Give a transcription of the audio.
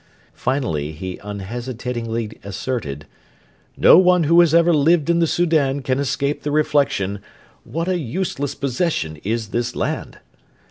Finally, he unhesitatingly asserted: 'No one who has ever lived in the Soudan can escape the reflection "What a useless possession is this land!"'